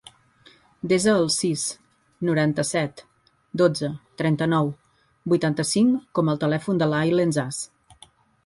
Desa el sis, noranta-set, dotze, trenta-nou, vuitanta-cinc com a telèfon de l'Aylen Saz.